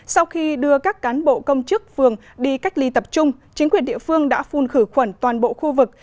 sau khi đưa các cán bộ công chức phường đi cách ly tập trung chính quyền địa phương đã phun khử khuẩn toàn bộ khu vực